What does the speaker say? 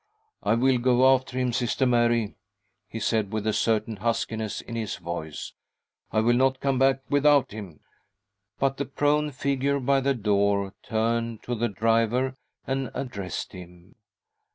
." I will go after him, Sister Mary," he said, with a certain huskiness in his voice. " I will not come back without him." , j But the prone figure by the door turned to the driver and addressed him.